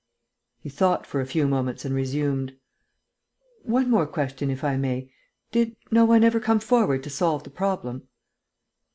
He thought for a few moments and resumed: "One more question, if I may. Did no one ever come forward to solve the problem?"